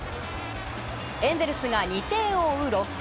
エンゼルスが２点を追う６回。